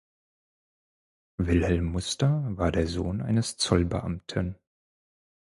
Wilhelm Muster war der Sohn eines Zollbeamten.